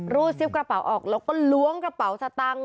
รูดซิปกระเป๋าออกแล้วก็ล้วงกระเป๋าสตังค์